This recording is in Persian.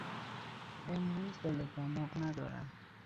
امروز دل ودماغ ندارم.